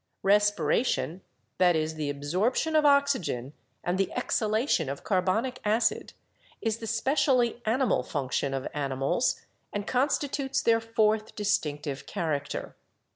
Respiration — that is, the absorption of oxygen and the exhalation of carbonic acid — is the specially animal function of animals and constitutes their fourth distinctive character.